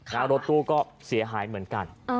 แล้วรถตู้ก็เสียหายเหมือนกัน